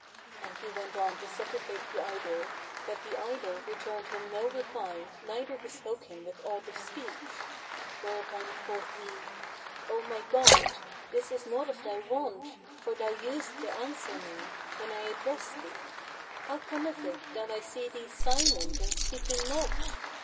And he went on to supplicate the idol; but the idol returned him no reply neither bespoke him with aught of speech; whereupon quoth he, 'O my god, this is not of thy wont, for thou usedst to answer me, when I addressed thee. How cometh it that I see thee silent and speaking not?